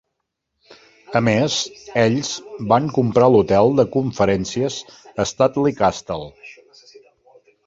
A més, ells van comprar l'hotel de conferències Studley Castle.